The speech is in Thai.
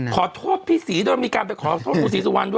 ขอโทษพี่ศรีโดยมีการไปขอโทษคุณศรีสุวรรณด้วย